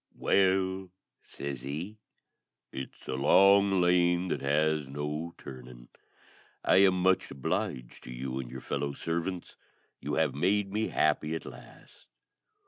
"Well," says he, "it's a long lane that has no turning. I am much obliged to you and your fellow servants. You have made me happy at last.